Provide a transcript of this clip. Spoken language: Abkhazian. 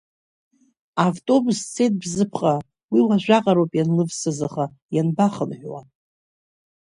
Автобус цеит Бзыԥҟа, уи уажәаҟароуп ианлывсыз, аха ианбахынҳәуа!